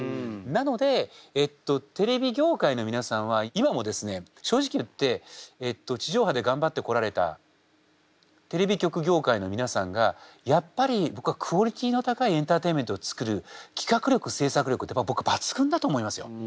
なのでえっとテレビ業界の皆さんは今もですね正直言って地上波で頑張ってこられたテレビ局業界の皆さんがやっぱり僕はクオリティーの高いエンターテインメントを作る企画力制作力って僕抜群だと思いますよ。